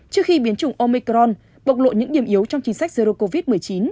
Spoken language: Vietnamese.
trước khi biến chủng omicron bộc lộ những điểm yếu trong chính sách zero covid một mươi chín